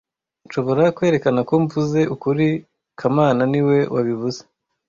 Nshobora kwerekana ko mvuze ukuri kamana niwe wabivuze